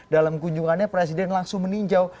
dalam kunjungannya presiden langsung meninjau